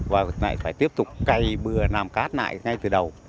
và phải tiếp tục cây bừa nằm cát lại ngay từ đầu